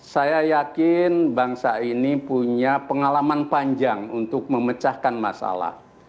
saya yakin bangsa ini punya pengalaman panjang untuk memecahkan masalah